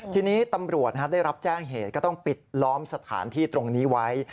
ทีนี้ตำรวจได้รับแจ้งเหตุก็ต้องปิดล้อมสถานที่ตรงนี้ไว้